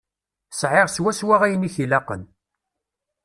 Sεiɣ swaswa ayen i k-ilaqen.